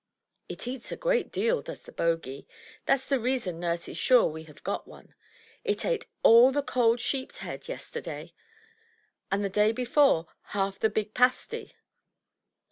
It eats a great deal, does the Bogie. That's the reason nurse is sure we have got one. It ate all the cold sheep's head yesterday, and the day before half the big pasty.